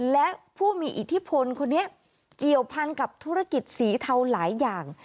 และผู้มีอิทธิพลคนนี้เกี่ยวพันกับธุรกิจสีเทาหลายอย่าง